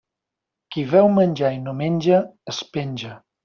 Qui veu menjar i no menja, es penja.